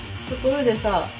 ところでさ